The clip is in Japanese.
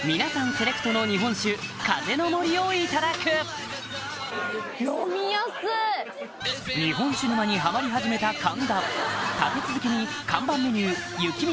セレクトの日本酒「風の森」をいただく日本酒沼にハマり始めた神田立て続けに看板メニュー雪見